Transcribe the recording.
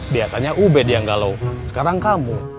biasanya ubed yang galau sekarang kamu